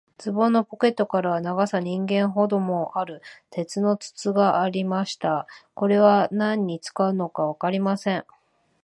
ズボンのポケットからは、長さ人間ほどもある、鉄の筒がありました。これは何に使うのかわかりません。